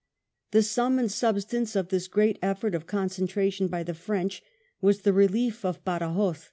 The sum and substance of this great effort of con centration by the Prench was the relief of Badajos.